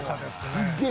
すっげー